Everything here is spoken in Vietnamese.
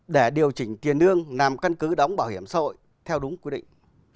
để điều chỉnh tiền lương làm căn cứ đóng bảo hiểm xã hội theo đúng quy định